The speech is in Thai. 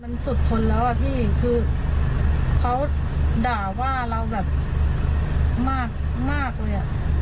มันสุดทนแล้วอ่ะพี่คือเขาด่าว่าเราแบบมากเลยอ่ะ